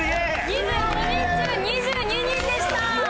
２５人中２２人でした！